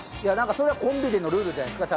それはコンビでのルールじゃないですか？